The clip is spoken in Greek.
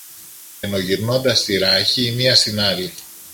ενώ γυρνώντας τη ράχη η μια στην άλλη